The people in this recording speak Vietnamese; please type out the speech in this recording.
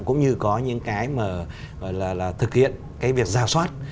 cũng như có những cái mà gọi là thực hiện cái việc giả soát